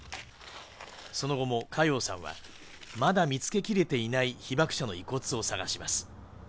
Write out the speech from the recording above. その後も嘉陽さんはまだ見つけきれていない被爆者の遺骨を探します。